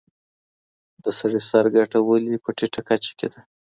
د سړي سر ګټه ولي په ټیټه کچه کي ده؟